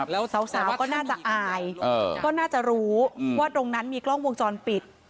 แล้วสาวก็น่าจะอายก็น่าจะรู้ว่าตรงนั้นมีกล้องวงจรปิด